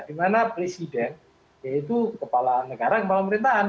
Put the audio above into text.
di mana presiden yaitu kepala negara kepala pemerintahan